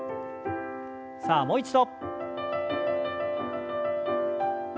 さあもう一度。